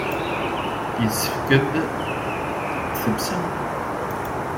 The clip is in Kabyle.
Yessefk ad t-tḥebsem.